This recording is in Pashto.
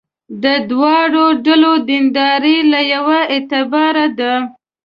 د دواړو ډلو دینداري له یوه اعتباره ده.